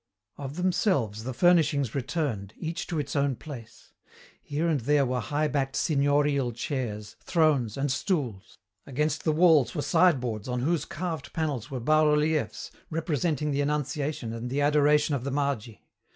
Of themselves the furnishings returned, each to its own place. Here and there were high backed signorial chairs, thrones, and stools. Against the walls were sideboards on whose carved panels were bas reliefs representing the Annunciation and the Adoration of the Magi.